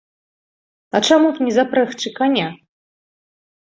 А чаму б не запрэгчы каня?